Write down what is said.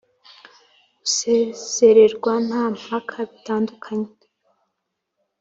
gusezererwa nta mpaka bitandukanye